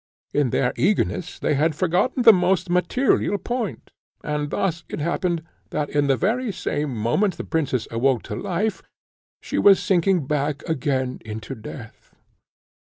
In their eagerness they had forgotten the most material point, and thus it happened that in the very same moment the princess awoke to life, she was sinking back again into death.